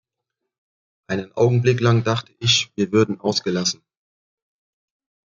Einen Augenblick lang dachte ich, wir würden ausgelassen.